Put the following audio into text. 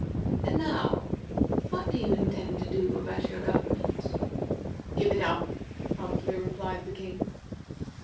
And now, what do you intend to do about your government?" "Give it up," promptly replied the King.